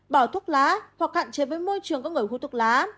bỏ thuốc lá hoặc hạn chế với môi trường có người hút thuốc lá